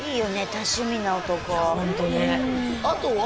多趣味な男いやホントねあとは？